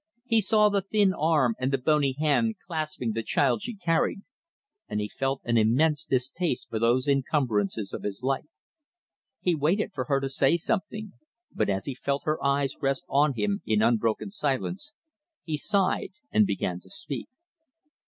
He saw the thin arm and the bony hand clasping the child she carried, and he felt an immense distaste for those encumbrances of his life. He waited for her to say something, but as he felt her eyes rest on him in unbroken silence he sighed and began to speak.